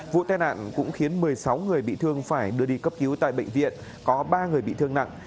vụ tai nạn cũng khiến một mươi sáu người bị thương phải đưa đi cấp cứu tại bệnh viện có ba người bị thương nặng